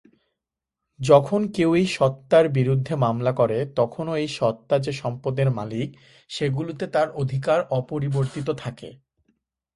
যখন কেউ এই সত্তার বিরুদ্ধে মামলা করে তখনও এই সত্তা যে সম্পদের মালিক সেগুলোতে তার অধিকার অপরিবর্তিত থাকে।